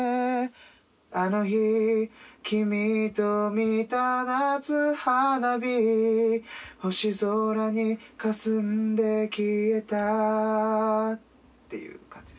「あの日君と見た夏花火星空にかすんで消えた」ていう感じです。